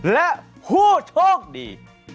และภูทวงดี